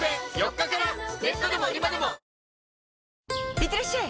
いってらっしゃい！